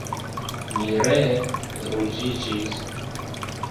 Mi ree ruĝiĝis.